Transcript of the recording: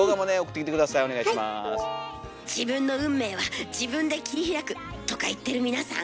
「自分の運命は自分で切り開く」とか言ってる皆さん。